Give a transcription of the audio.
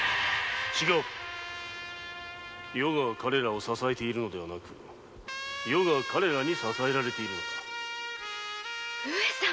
余が彼らを支えているのではなく余が彼らに支えられているのだ上様。